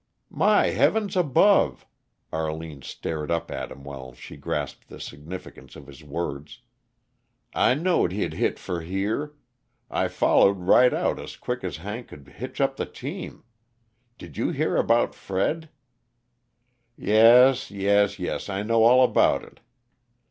"My heavens above!" Arline stared up at him while she grasped the significance of his words. "I knowed he'd hit for here I followed right out as quick as Hank could hitch up the team. Did you hear about Fred " "Yes, yes, yes, I know all about it!"